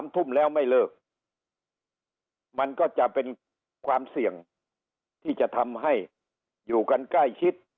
ทุ่มแล้วไม่เลิกมันก็จะเป็นความเสี่ยงที่จะทำให้อยู่กันใกล้ชิด